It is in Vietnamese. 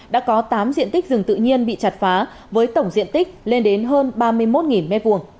đã có tám diện tích rừng tự nhiên bị chặt phá với tổng diện tích lên đến hơn ba mươi một m hai